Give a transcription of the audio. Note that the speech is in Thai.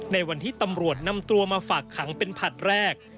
ในวันที่ตำรวจนำตัวมาฝากขังเป็นผลัดแรก